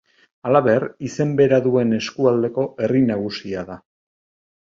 Halaber, izen bera duen eskualdeko herri nagusia da.